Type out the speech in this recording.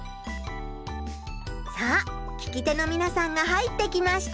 さあ聞き手のみなさんが入ってきました。